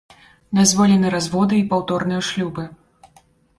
Дазволены разводы і паўторныя шлюбы.